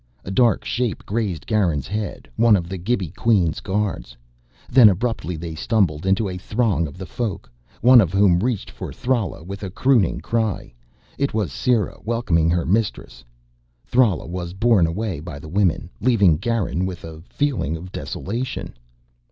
A dark shape grazed Garin's head one of the Gibi Queen's guards. Then abruptly they stumbled into a throng of the Folk, one of whom reached for Thrala with a crooning cry. It was Sera welcoming her mistress. Thrala was borne away by the women, leaving Garin with a feeling of desolation.